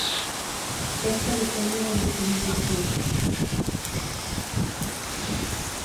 Esto depende de la jurisdicción.